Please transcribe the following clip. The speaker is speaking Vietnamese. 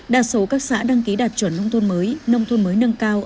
đa số các xã đăng ký đạt chuẩn nông thôn mới nông thôn mới nâng cao